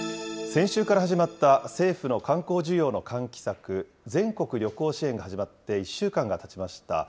先週から始まった政府の観光需要の喚起策、全国旅行支援が始まって１週間がたちました。